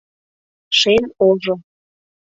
Шем ожо...